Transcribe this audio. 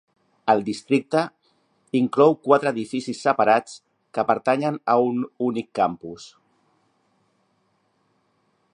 El districte inclou quatre edificis separats que pertanyen a un únic campus.